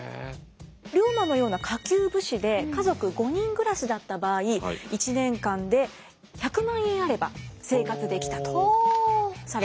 龍馬のような下級武士で家族５人暮らしだった場合１年間で１００万円あれば生活できたとされています。